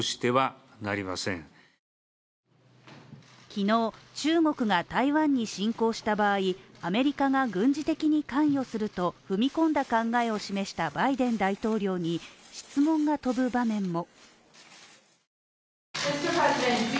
昨日中国が台湾に侵攻した場合、アメリカが軍事的に関与すると踏み込んだ考えを示したバイデン大統領に質問が飛ぶ場面も。